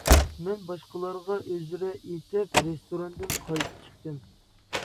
مەن باشقىلارغا ئۆزرە ئېيتىپ رېستوراندىن قايتىپ چىقتىم.